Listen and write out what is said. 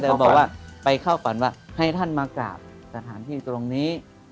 แต่บอกว่าไปเข้าก่อนว่าให้ท่านมากราบสถานที่ตรงนี้